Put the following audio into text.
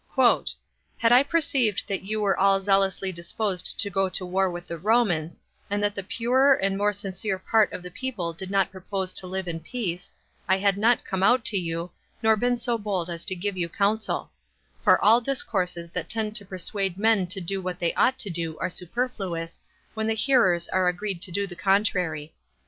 24 "Had I perceived that you were all zealously disposed to go to war with the Romans, and that the purer and more sincere part of the people did not propose to live in peace, I had not come out to you, nor been so bold as to give you counsel; for all discourses that tend to persuade men to do what they ought to do are superfluous, when the hearers are agreed to do the contrary.